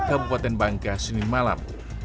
kabupaten bangka senin malam